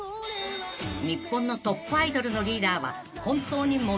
［日本のトップアイドルのリーダーは］